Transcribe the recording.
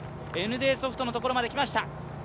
ＮＤソフトのところまできました。